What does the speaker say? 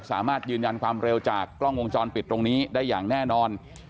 สามารถยืนยันความเร็วจากกล้องวงจรปิดตรงนี้ได้อย่างแน่นอน